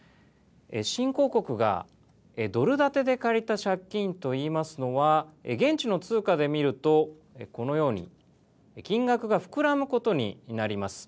新興国がドル建てで借りた借金といいますのは現地の通貨で見るとこのように金額が膨らむことになります。